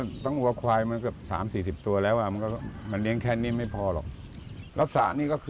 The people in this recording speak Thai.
แต่ต้องวัวควายมันก็๓๔๐ตัวแล้วอะมันเคารี่มแค่นิ่มไม่พอหรอก